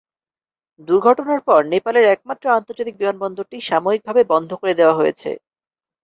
দুর্ঘটনার পর নেপালের একমাত্র আন্তর্জাতিক বিমানবন্দরটি সাময়িকভাবে বন্ধ করে দেওয়া হয়েছে।